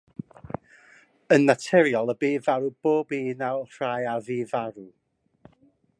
Yn naturiol y bu farw pob un o'r rhai a fu farw.